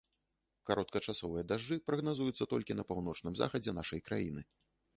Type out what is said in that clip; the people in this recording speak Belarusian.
Кароткачасовыя дажджы прагназуюцца толькі на паўночным захадзе нашай краіны.